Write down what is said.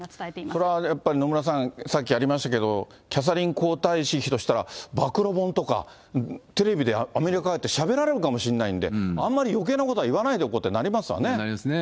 それはやっぱり野村さん、さっきありましたけど、キャサリン皇太子妃としては、暴露本とか、テレビでアメリカ帰ってしゃべられるかもしれないんで、あんまり余計なことは言わないでおこうということになりますわね。